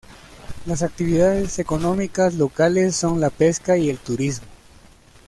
Las actividades económicas locales son la pesca y el turismo.